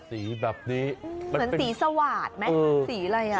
สีแบบนี้เหมือนสีสวาดไหมสีอะไรอ่ะ